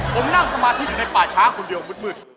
ผมนั่งสมาธิอยู่ในป่าช้าคนเดียวมืด